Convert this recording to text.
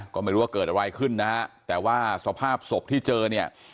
ก็ไม่รู้ว่าเกิดอะไรขึ้นนะฮะแต่ว่าสภาพศพที่เจอเนี่ย